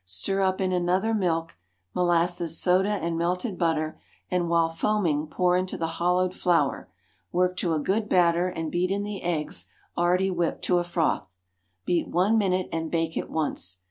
Stir up in another milk, molasses, soda and melted butter, and while foaming pour into the hollowed flour. Work to a good batter and beat in the eggs already whipped to a froth. Beat one minute and bake at once.